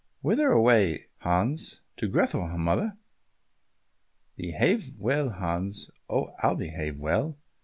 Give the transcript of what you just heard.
"Whither away, Hans?" "To Grethel, mother." "Behave well, Hans." "Oh, I'll behave well.